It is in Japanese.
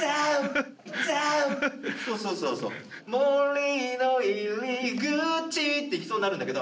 そうそう。森の入口って行きそうになるんだけど。